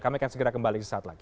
kami akan segera kembali sesaat lagi